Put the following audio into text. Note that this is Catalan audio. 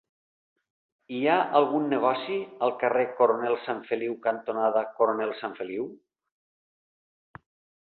Hi ha algun negoci al carrer Coronel Sanfeliu cantonada Coronel Sanfeliu?